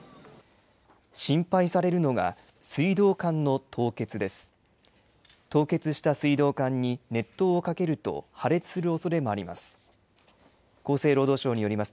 心配されるのが水道管の凍結です。